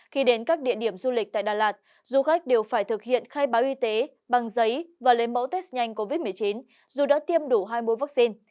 khi đến các địa điểm du lịch tại đà lạt du khách đều phải thực hiện khai báo y tế bằng giấy và lấy mẫu test nhanh covid một mươi chín dù đã tiêm đủ hai mươi vaccine